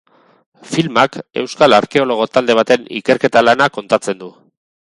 Filmak euskal arkeologo talde baten ikerketa-lana kontatzen du.